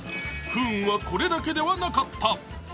不運はこれだけではなかった。